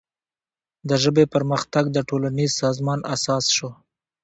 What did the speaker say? د ژبې پرمختګ د ټولنیز سازمان اساس شو.